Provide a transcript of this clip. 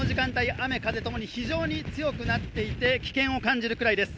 雨風共に非常に強くなっていまして、危険を感じるくらいです。